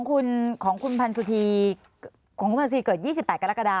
ของคุณพันสุธีเกิด๒๘กรกฎา